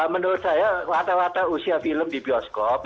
menurut saya rata rata usia film di bioskop